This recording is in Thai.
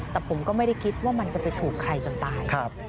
แต่ผมก็ไม่ได้คิดว่ามันจะไปถูกใครจนตาย